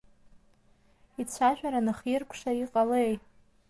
Ицәажәара анхиркәша иҟалеи?